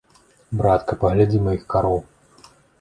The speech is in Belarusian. Братка, паглядзі маіх кароў.